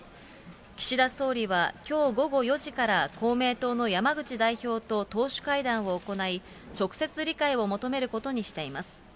岸田総理はきょう午後４時から、公明党の山口代表と党首会談を行い、直接理解を求めることにしています。